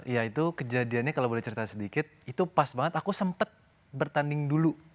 ya itu kejadiannya kalau boleh cerita sedikit itu pas banget aku sempet bertanding dulu